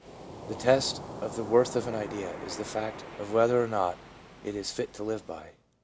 The test of the worth of an idea is the fact of whether or not it is fit to live by.